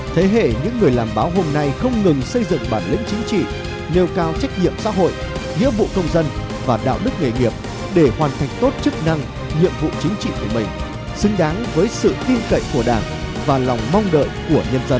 thế hệ những người làm báo hôm nay không ngừng xây dựng bản lĩnh chính trị nêu cao trách nhiệm xã hội nghĩa vụ công dân và đạo đức nghề nghiệp để hoàn thành tốt chức năng nhiệm vụ chính trị của mình xứng đáng với sự tin cậy của đảng và lòng mong đợi của nhân dân